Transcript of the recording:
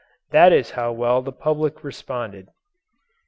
That is how well the public responded.